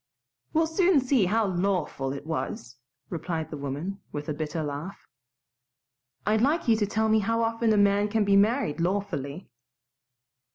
"We'll soon see how LAWFUL it was," replied the woman, with a bitter laugh. "I'd like you to tell me how often a man can be married lawfully."